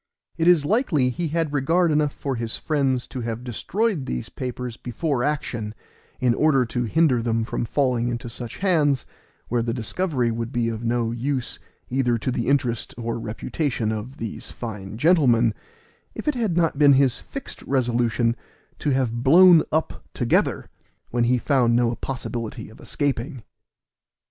It is likely he had regard enough for his friends to have destroyed these papers before action, in order to hinder them from falling into such hands, where the discovery would be of no use either to the interest or reputation of these fine gentlemen, if it had not been his fixed resolution to have blown up together, when he found no possibility of escaping.